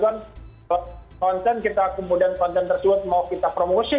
konten kita kemudian konten tersebut mau kita promosi